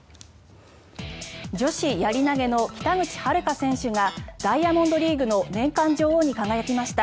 女子やり投の北口榛花選手がダイヤモンドリーグの年間女王に輝きました。